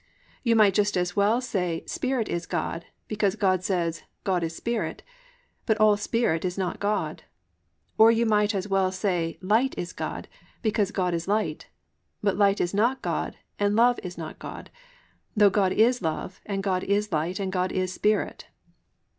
You might just as well say "Spirit is God," because God says, "God is spirit," but all spirit is not God. Or you might as well say, "Light is God," because "God is light," but light is not God and love is not God, though God is love and God is light and God is spirit.